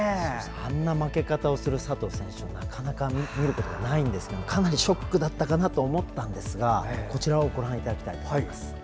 あんな負け方をする佐藤選手をなかなか見ることがないんですがかなりショックだったかなと思ったんですがこちらをご覧いただきます。